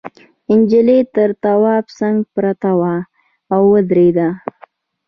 نجلۍ تر تواب څنگ پرته وه او ودرېده.